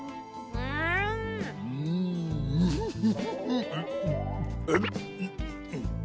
ううんウフフフ。